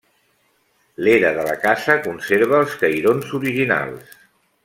L'era de la casa conserva els cairons originals.